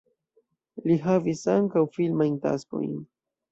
Li havis ankaŭ filmajn taskojn.